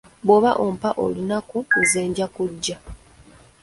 Gw'oba ompa olunaku nze nja kujja.